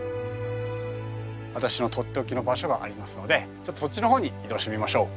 私のとっておきの場所がありますのでちょっとそっちの方に移動してみましょう。